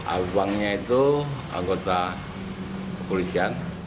abangnya itu anggota polisian